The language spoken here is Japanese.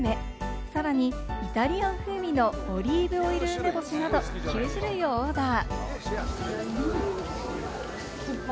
さらにイタリアン風味のオリーブオイル梅干しなど９種類をオーダー。